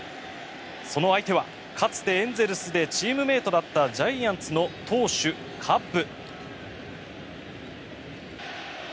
その相手は、かつてエンゼルスでチームメートだったジャイアンツの投手カッブ。